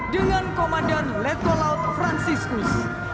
dengan komandan letko laut franciscus